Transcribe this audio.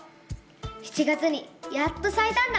７月にやっとさいたんだ！